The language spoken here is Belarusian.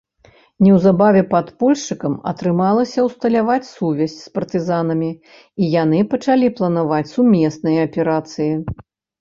Неўзабаве падпольшчыкам атрымалася ўсталяваць сувязь з партызанамі і яны пачалі планаваць сумесныя аперацыі.